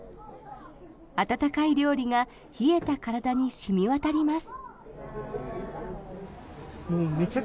温かい料理が冷えた体に染みわたります。